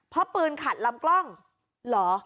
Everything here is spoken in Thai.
เพราะปืนขัดลำกล้องเหรอ